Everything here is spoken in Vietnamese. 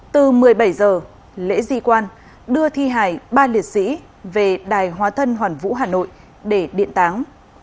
từ một mươi bảy h lễ di quan đưa thi hài ba liệt sĩ về đài hóa thân hoàn vũ hà nội để điện táng